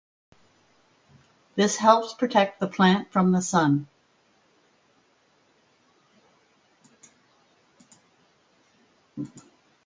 This helps protect the plant from the sun.